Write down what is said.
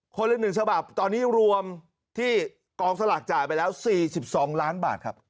ละ๑ฉบับตอนนี้รวมที่กองสลากจ่ายไปแล้ว๔๒ล้านบาทครับ